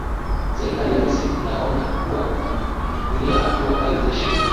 serikali ya misri inaonya kuwa itamchukulia hatua kali za sheria